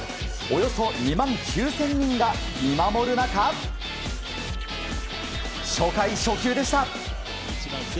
およそ２万９０００人が見守る中初回、初球でした。